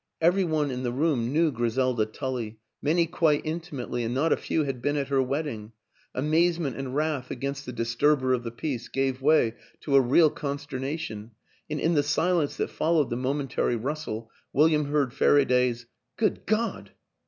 Every one in the room knew Griselda Tully, many quite intimately, and not a few had been at her wedding; amaze ment and wrath against the disturber of the peace gave way to a real consternation, and in the silence that followed the momentary rustle William heard Faraday's "Good God!"